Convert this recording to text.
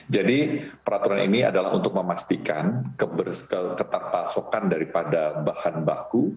jadi peraturan ini adalah untuk memastikan ketat pasokan daripada bahan baku